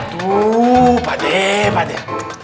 tuh pade pade